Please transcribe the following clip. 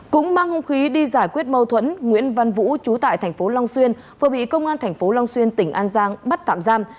cũng mang hung khí đi giải quyết mâu thuẫn nguyễn văn vũ trú tại thành phố long xuyên vừa bị công an tp long xuyên tỉnh an giang bắt tạm giam